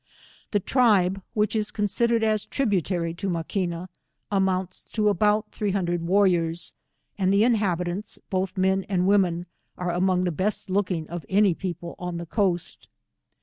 The tribe, which is considered as tributary to Maquina, amounts to about three hundred warriors, and the inhabitanis, both men and women, are among the be»t looking of any people on the coast.